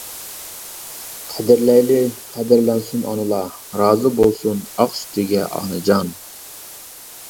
قەدىرلەيلى، قەدىرلەنسۇن ئانىلار، رازى بولسۇن ئاق سۈتىگە ئانىجان.